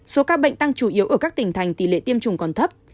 số ca bệnh tăng chủ yếu ở các tỉnh thành tỷ lệ tiêm chủng còn thấp